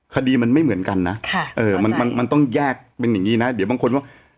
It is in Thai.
คดีมันไม่เหมือนกันนะมันมันต้องแยกเป็นอย่างนี้นะเดี๋ยวบางคนว่า